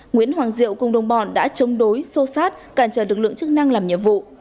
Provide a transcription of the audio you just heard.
nguyễn hoàng diệu cùng đồng bọn đã chống đối xô xát cản trở lực lượng chức năng làm nhiệm vụ